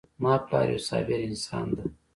زما پلار یو صابر انسان ده